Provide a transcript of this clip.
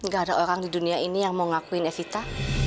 gak ada orang di dunia ini yang mau ngakuin evita